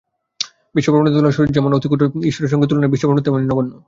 বিশ্বব্রহ্মাণ্ডের তুলনায় শরীর যেমন অতি ক্ষুদ্র, ঈশ্বরের সঙ্গে তুলনায় বিশ্বব্রহ্মাণ্ড তেমনি নগণ্য।